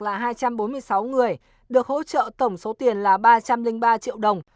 tổng số tiền là hai trăm bốn mươi sáu người được hỗ trợ tổng số tiền là ba trăm linh ba triệu đồng